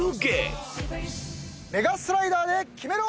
メガスライダーでキメろ！